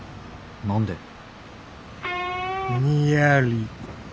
何で？